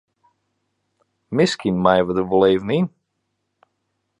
Miskien meie we der wol even yn.